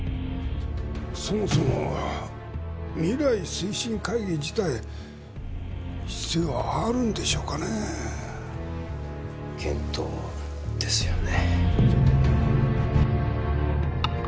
そもそも未来推進会議自体必要あるんでしょうかねえ検討ですよね